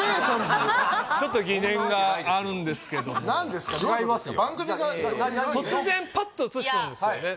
ちょっと疑念があるんですけども何ですか番組が違いますよ突然パッとうつしてるんですよね